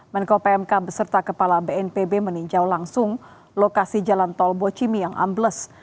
menko pmk beserta kepala bnpb meninjau langsung lokasi jalan tol bocimi yang ambles